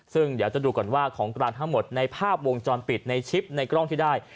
ซึ่งเดี๋ยวจะดูก่อนว่าของกลางทั้งหมดในภาพวงจรปิดในชิปในกล้องที่ได้